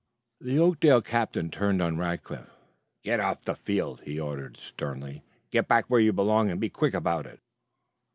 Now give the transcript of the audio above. The Oakdale captain turned on Rackliff. "Get off the field," he ordered sternly. "Get back where you belong, and be quick about it."